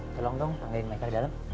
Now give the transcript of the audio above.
tolong dong panggilin meka di dalam